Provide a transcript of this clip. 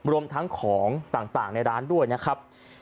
รวมทั้งของต่างในร้านด้วยนะครับ